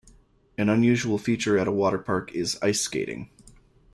An unusual feature at a water park is ice skating.